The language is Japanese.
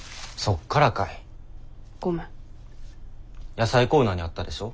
野菜コーナーにあったでしょ。